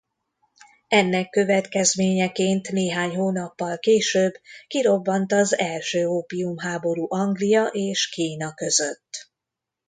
Ennek következményeként néhány hónappal később kirobbant az első ópiumháború Anglia és Kína között.